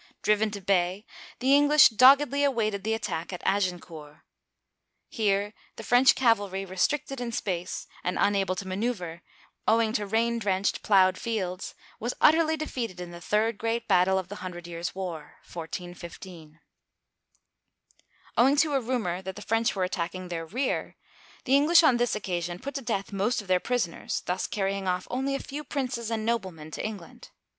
Driven to bay, the English doggedly awaited the attack at Agincourt (a zhSN koor'). Here the French cavalry, restricted in space, and unable to maneuver, owing to rain drenched, plowed fields, was utterly defeated in the third great battle of the Hundred Years* War (1415). Owing to a rumor that the French were attacking their rear, the English on this occasion put to death most of their prisoners, thus carrying off only a few princes and noblemen to England.